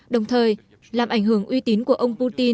đồng thời làm ảnh hưởng uy tín của ông putin